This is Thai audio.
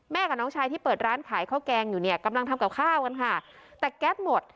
กับน้องชายที่เปิดร้านขายข้าวแกงอยู่เนี่ยกำลังทำกับข้าวกันค่ะแต่แก๊สหมด